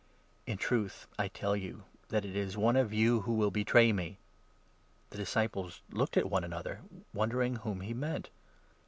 " in truth I tell you that it is one of you who will betray me." The disciples looked at one another, wondering whom he 22 meant.